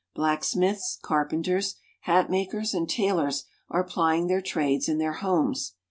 Blacksmiths, carpenters, hat ^^H makers, and tailors are plying their trades in their homes.